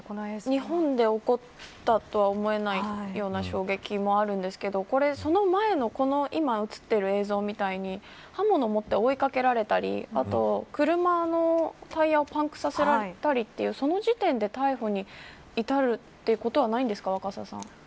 日本で起こったとは思えないような衝撃もあるんですけどその前の今映っている映像みたいに刃物を持って追いかけられたり車のタイヤをパンクさせられたりというその時点で逮捕に至るということないんですか若狭さん。